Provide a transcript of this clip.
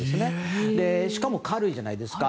しかも軽いじゃないですか。